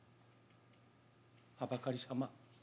「はばかりさま。